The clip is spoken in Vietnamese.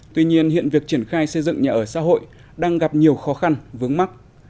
tuy nhiên hiện việc triển khai xây dựng nhà ở xã hội đang gặp nhiều khó khăn vướng mắt